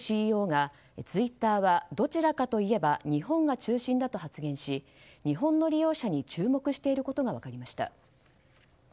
ＣＥＯがツイッターはどちらかといえば日本が中心だと発言し日本の利用者に注目していることが分かりました。